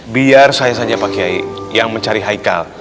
biar saya saja pak kiai yang mencari haikal